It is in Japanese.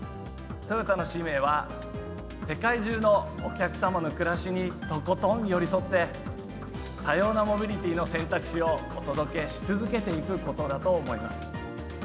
トヨタの使命は、世界中のお客様の暮らしにとことん寄り添って、多様なモビリティの選択肢をお届けし続けていくことだと思います。